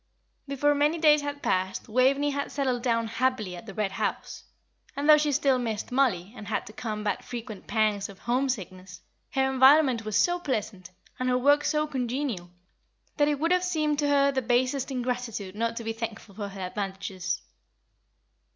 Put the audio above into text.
Before many days had passed Waveney had settled down happily at the Red House; and though she still missed Mollie, and had to combat frequent pangs of home sickness, her environment was so pleasant, and her work so congenial, that it would have seemed to her the basest ingratitude not to be thankful for her advantages.